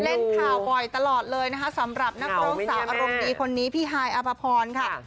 เล่นข่าวบ่อยตลอดเลยนะคะสำหรับนักร้องสาวอารมณ์ดีคนนี้พี่ฮายอภพรค่ะ